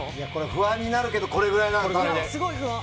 不安になるけどこれぐらいなんだよね。